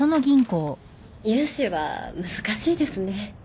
融資は難しいですね。